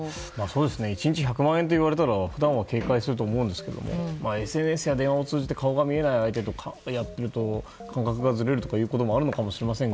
１日１００万円といわれたら普段は警戒すると思うんですがＳＮＳや電話を通じて顔の見えない人とやると感覚がずれることもあるのかもしれませんが。